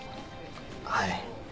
はい。